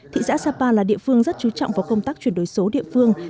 thị xã sapa là địa phương rất chú trọng vào công tác chuyển đổi số địa phương